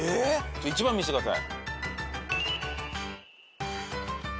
１番見してください。